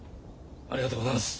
ありがとうございます。